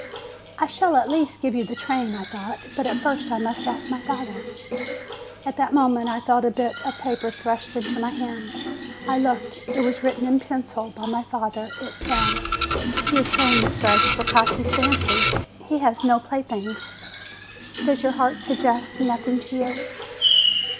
"I shall at least give you the train," I thought; but first I must ask my father. At that moment I felt a bit of paper thrust into my hand. I looked; it was written in pencil by my father ; it said : "Your train strikes Precossi's fancy. He has no playthings. Does your heart suggest nothing to you?"